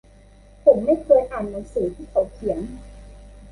ผมไม่เคยอ่านหนังสือที่เขาเขียน